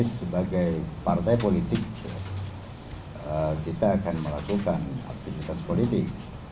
sebagai partai politik kita akan melakukan aktivitas politik